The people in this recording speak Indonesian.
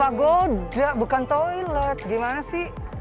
pagoda bukan toilet gimana sih